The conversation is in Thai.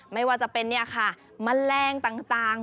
ไม่ว่าจะเป็นแมลงต่าง